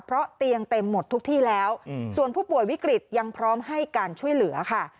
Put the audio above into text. เพราะเตียงเต็มหมดทุกที่แล้วส่วนผู้ป่วยวิกฤตยังพร้อมให้การช่วยเหลือค่ะ